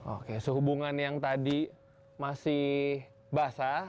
oke sehubungan yang tadi masih basah